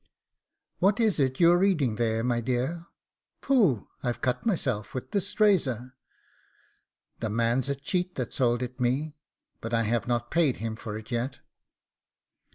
'What is it you're reading there, my dear? phoo, I've cut myself with this razor; the man's a cheat that sold it me, but I have not paid him for it yet.